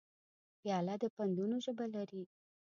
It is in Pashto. پیاله د پندونو ژبه لري.